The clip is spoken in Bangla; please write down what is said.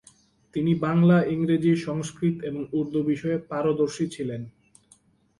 তিনি বাংলা, ইংরেজি, সংস্কৃত এবং উর্দু বিষয়ে পারদর্শী ছিলেন।